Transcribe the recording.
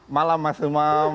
malam mas umam